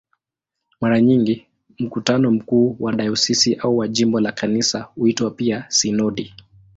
Mara nyingi mkutano mkuu wa dayosisi au wa jimbo la Kanisa huitwa pia "sinodi".